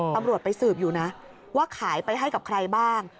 ตำรวจไปสืบอยู่นะว่าขายไปให้กับใครบ้าง